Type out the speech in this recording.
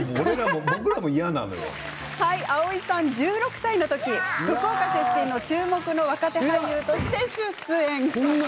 蒼井さんは１６歳の時福岡出身の注目若手俳優として出演。